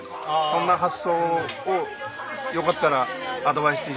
そんな発想をよかったらアドバイスして頂ければ。